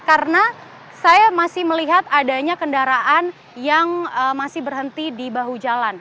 karena saya masih melihat adanya kendaraan yang masih berhenti di bahu jalan